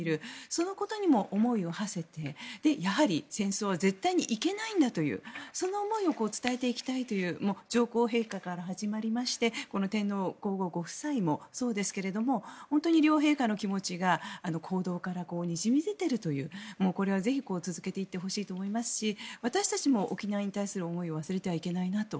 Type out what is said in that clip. そのことにも思いをはせてやはり戦争は絶対にいけないんだというその思いを伝えていきたいという上皇陛下から始まりまして天皇・皇后両陛下ご夫妻もそうですけれども本当に両陛下の気持ちが行動からにじみ出ているというこれはぜひ続けていってほしいと思いますし私たちも沖縄に対する思いを忘れてはいけないなと。